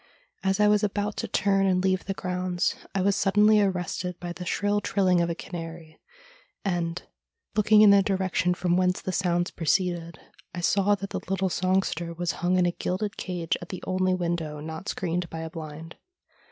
As I was about to turn and leave the grounds I was suddenly arrested by the shrill trilling of a canary, and, looking in the direction from whence the sounds proceeded, I saw that the little songster was hung in a gilded cage at the only window not screened by a blind.